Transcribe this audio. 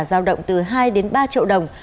giao động từ hai đến ba triệu đồng